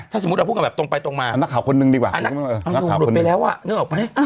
ถ้าสมมุติเราพูดกันแบบตรงไปตรงมานักข่าวคนดีกว่านักข่าวมันหลุดไปเนื่องออกไป